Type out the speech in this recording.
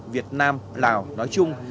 việt nam lào nói chung